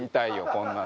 こんなの。